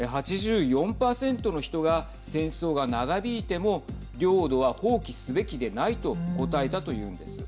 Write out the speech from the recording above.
８４％の人が戦争が長引いても領土は放棄すべきでないと答えたというんです。